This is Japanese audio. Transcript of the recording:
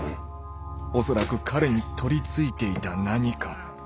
恐らく彼に取り憑いていた「何か」。